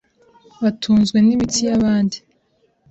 batunzwe n’imitsi y’abandi,